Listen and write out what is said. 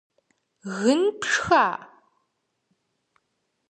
Гын пшха?!